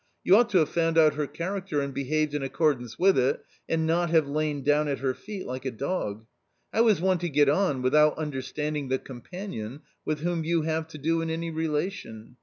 You ought to have found out A 140 A COMMON STORY her character and behaved in accordance with it, and not have lain down at her feet like a dog. How is one to get on without understanding the companion with whom you have to do in any relation